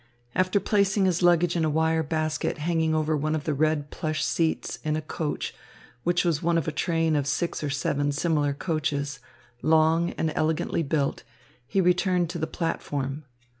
After placing his luggage in a wire basket hanging over one of the red plush seats in a coach which was one of a train of six or seven similar coaches, long and elegantly built, he returned to the platform.